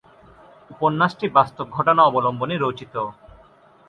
উপন্যাসটি বাস্তব ঘটনা অবলম্বনে রচিত।